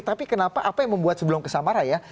tapi kenapa apa yang membuat sebelum kesamara ya